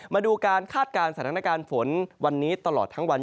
มาดูการคาดการณ์สถานการณ์ฝนวันนี้ตลอดทั้งวัน